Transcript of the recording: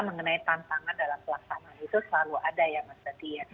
mengenai tantangan dalam pelaksanaan itu selalu ada ya mas tadi ya